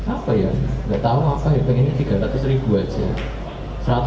apa ya nggak tahu apa ya pengennya tiga ratus ribu aja